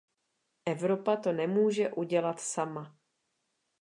Evropa to nemůže udělat sama.